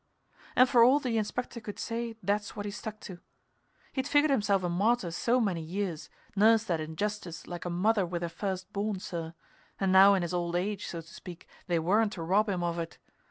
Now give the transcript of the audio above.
And for all the Inspector could say, that's what he stuck to. He'd figured himself a martyr so many years, nursed that injustice like a mother with her first born, sir; and now in his old age, so to speak, they weren't to rob him of it.